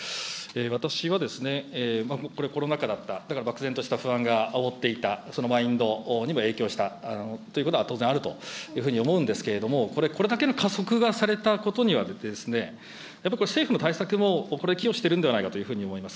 私はこれ、コロナ禍だった、だから漠然とした不安があおっていた、そのマインドにも影響したということは当然あるというふうに思うんですけれども、これ、これだけの加速がされたことには、政府の対策もこれ、寄与してるんではないかと思います。